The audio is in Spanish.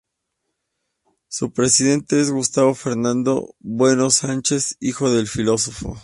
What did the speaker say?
Su presidente es Gustavo Fernando Bueno Sánchez, hijo del filósofo.